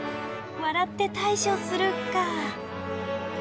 笑って対処するか。